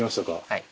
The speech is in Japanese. はい。